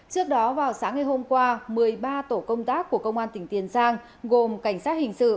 trước đó vào sáng ngày hôm qua một mươi ba tổ công tác của công an tỉnh tiền giang gồm cảnh sát hình sự